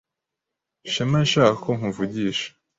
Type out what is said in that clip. Shema yashakaga ko nkuvugisha.